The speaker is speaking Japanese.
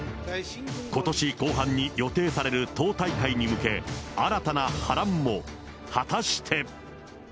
ことし後半に予定される党大会に向け、新たな波乱も。